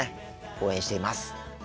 応援しています。